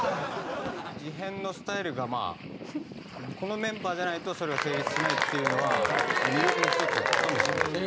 事変のスタイルがまあこのメンバーじゃないとそれは成立しないっていうのは魅力の一つかもしれません。